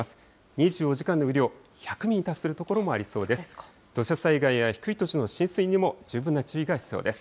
２４時間の雨量、１００ミリに達する所もありそうです。